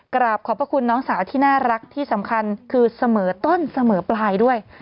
กราบขอบพระคุณน้องสาวที่น่ารักที่สำคัญคือเสมอต้นเสมอปลายด้วย